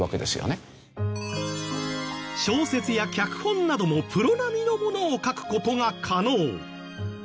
小説や脚本などもプロ並みのものを書く事が可能。